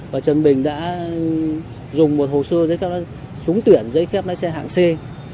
và trần bình đã dùng một hồ sơ giấy phép lái xe hạng c